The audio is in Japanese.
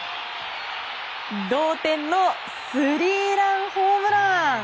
同点のスリーランホームラン。